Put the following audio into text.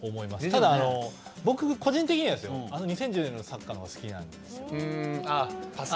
ただ僕、個人的には２０１０年のサッカーの方が好きで。